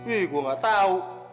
ih gua ga tau